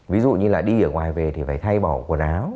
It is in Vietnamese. ví dụ như là đi ở ngoài về thì phải thay bỏ quần áo